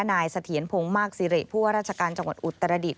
เสถียรพงศ์มากสิริผู้ว่าราชการจังหวัดอุตรดิษฐ